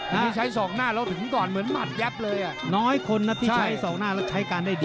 นี่ใช้ศอกหน้าแล้วถึงก่อนเหมือนหมัดยับเลยอ่ะน้อยคนนะที่ใช้ศอกหน้าแล้วใช้การได้ดี